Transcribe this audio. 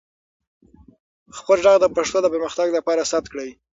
خپل ږغ د پښتو د پرمختګ لپاره ثبت کړئ.